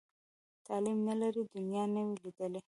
تعلیم نه لري، دنیا نه وي لیدلې.